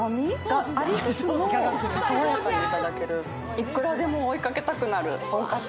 いくらでも追いかけたくなる豚かつ。